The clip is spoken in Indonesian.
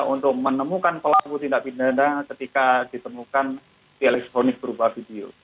untuk menemukan pelaku tindak pidana ketika ditemukan di elektronik berupa video